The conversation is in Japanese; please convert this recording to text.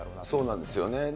そうなんですよね。